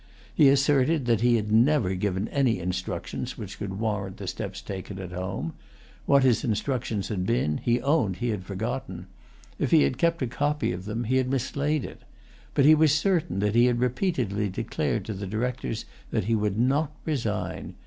He asserted that he had never given any instructions which could warrant the steps taken at home. What his instructions had been, he owned he had forgotten. If he had kept a copy of them he had mislaid it. But he was certain that he had repeatedly declared to the Directors that he would not resign.